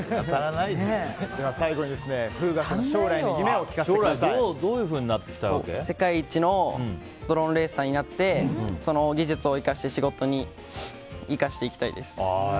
最後に風雅君の将来の夢を世界一のドローンレーサーになってその技術を生かして仕事に生かしていきたいです。